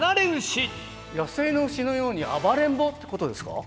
野生の牛のように暴れん坊ってことですか？